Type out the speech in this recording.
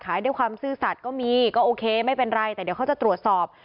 ด้วยความซื่อสัตว์ก็มีก็โอเคไม่เป็นไรแต่เดี๋ยวเขาจะตรวจสอบ